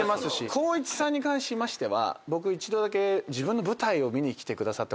光一さんに関しましては僕一度だけ自分の舞台を見に来てくださったことがあって。